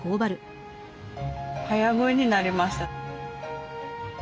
早食いになりました。